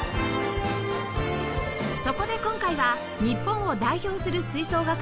そこで今回は日本を代表する吹奏楽団